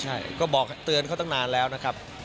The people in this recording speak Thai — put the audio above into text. ใช่ก็บอกเตือนเขาตั้งนานแล้วนะครับ